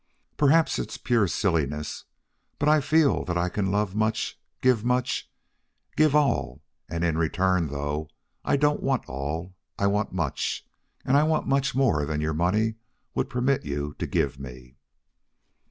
Perhaps it's pure silliness, but I feel that I can love much, give much give all, and in return, though I don't want all, I want much and I want much more than your money would permit you to give me.